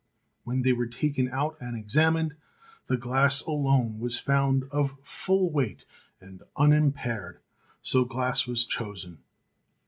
... When they were taken out and examined the glass alone was found of full weight, and unimpaired. So glass was chosen."